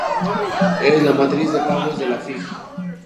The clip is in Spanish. En la matriz de pagos de la Fig.